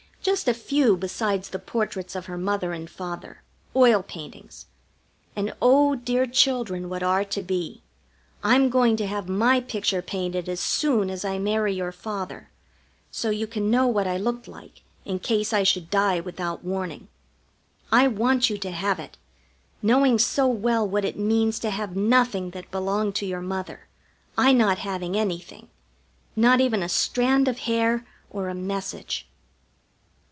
Just a few besides the portraits of her father and mother, oil paintings. And oh, dear children what are to be, I'm going to have my picture painted as soon as I marry your father, so you can know what I looked like in case I should die without warning. I want you to have it, knowing so well what it means to have nothing that belonged to your mother, I not having anything not even a strand of hair or a message.